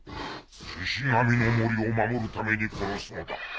シシ神の森を守るために殺すのだ。